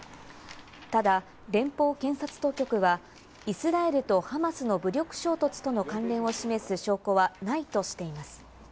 ただ、連邦検察当局は、イスラエル系とハマスの武力衝突との関連を示す証拠はないとしています。